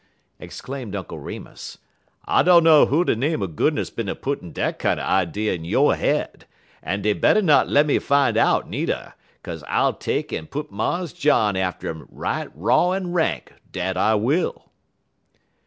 exclaimed Uncle Remus. "I dunner who de name er goodness bin a puttin' dat kinder idee in yo' head, en dey better not lemme fine um out, needer, 'kaze I'll take en put Mars John atter um right raw en rank, dat I will."